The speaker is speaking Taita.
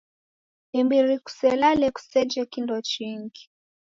Imbiri kuselale kuseje kindo chingi.